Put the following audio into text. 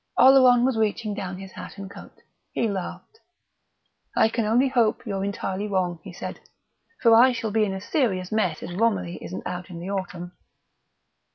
Oleron was reaching down his hat and coat. He laughed. "I can only hope you're entirely wrong," he said, "for I shall be in a serious mess if Romilly isn't out in the autumn."